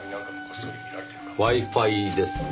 Ｗｉ−Ｆｉですね。